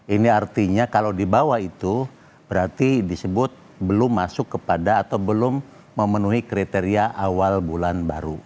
ini artinya kalau di bawah itu berarti disebut belum masuk kepada atau belum memenuhi kriteria awal bulan baru